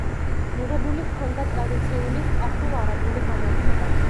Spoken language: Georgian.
მიღებული ჰქონდა ტრადიციული სპარსულ-არაბული განათლება.